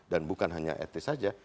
dan bukan hanya etis saja